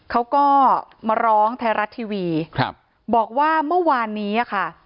เขาก็มาร้องไทยรัฐทีวีครับบอกว่าเมื่อวานนี้อ่ะค่ะ